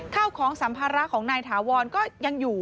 ข้าวของสัมภาระของนายถาวรก็ยังอยู่